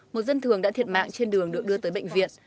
một dân thường đã thiệt mạng trên đường được đưa tới bệnh viện